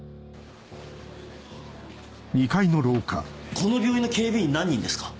この病院の警備員何人ですか？